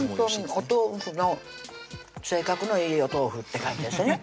お豆腐の性格のいいお豆腐って感じですね